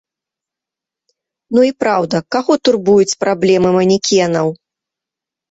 Ну і праўда, каго турбуюць праблемы манекенаў?